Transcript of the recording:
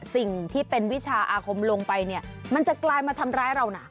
สิ่งที่เป็นวิชาอาคมลงไปเนี่ยมันจะกลายมาทำร้ายเรานะ